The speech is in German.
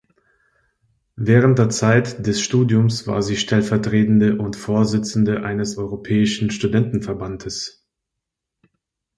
Während der Zeit des Studiums war sie stellvertretende und Vorsitzende eines Europäischen Studentenverbandes.